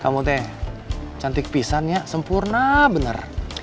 kamu teh cantik pisannya sempurna bener